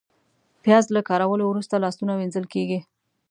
پیاز له کارولو وروسته لاسونه وینځل کېږي